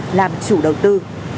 hà nội làm chủ đầu tư